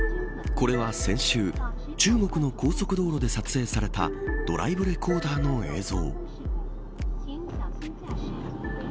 これは先週、中国の高速道路で撮影されたドライブレコーダーの映像。